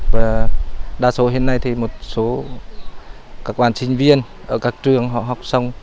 và đa số hiện nay thì một số các quan sinh viên ở các trường họ học xong